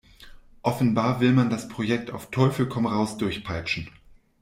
Offenbar will man das Projekt auf Teufel komm raus durchpeitschen.